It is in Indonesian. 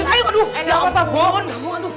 enggak mau tau dong enggak mau tau